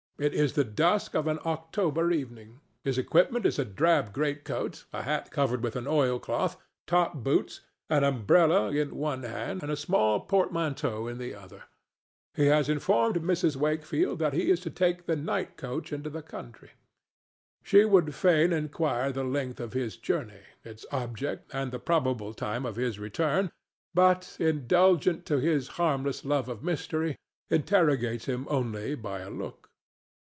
It is the dusk of an October evening. His equipment is a drab greatcoat, a hat covered with an oil cloth, top boots, an umbrella in one hand and a small portmanteau in the other. He has informed Mrs. Wakefield that he is to take the night coach into the country. She would fain inquire the length of his journey, its object and the probable time of his return, but, indulgent to his harmless love of mystery, interrogates him only by a look.